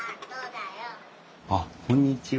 あっこんにちは。